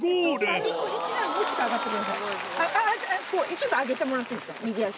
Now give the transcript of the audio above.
ちょっと上げてもらっていいですか右足。